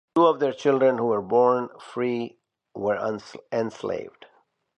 Two of their children who were born free were enslaved.